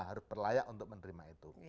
harus berlayak untuk menerima